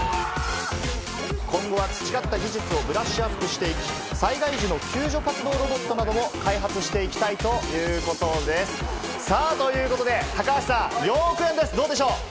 今後は培った技術をブラッシュアップしていき、災害時の救助活動ロボットなども開発していきたいということです。ということで高橋さん、４億円です、どうでしょう？